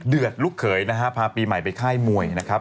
ลูกเขยนะฮะพาปีใหม่ไปค่ายมวยนะครับ